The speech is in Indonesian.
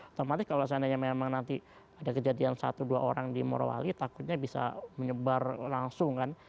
otomatis kalau seandainya memang nanti ada kejadian satu dua orang di morowali takutnya bisa menyebar langsung kan